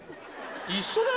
一緒だよ？